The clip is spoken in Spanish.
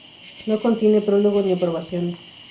No contiene prólogo ni aprobaciones.